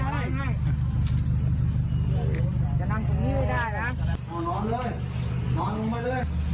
กินไปกี่ขวด